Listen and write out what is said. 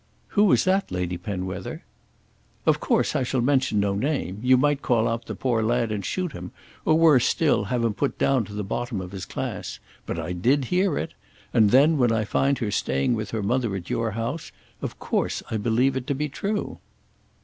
"Who was that, Lady Penwether?" "Of course I shall mention no name. You might call out the poor lad and shoot him, or, worse still, have him put down to the bottom of his class. But I did hear it. And then, when I find her staying with her mother at your house, of course I believe it to be true."